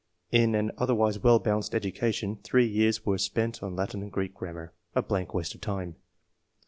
—" In an other wise well balanced education, three years were spent on Latin and Greek grammar — a blank waste of time."